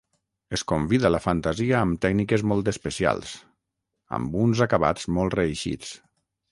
Es convida la fantasia amb tècniques molt especials, amb uns acabats molt reeixits.